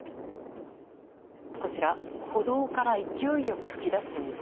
こちら、歩道から勢いよく噴き出す水。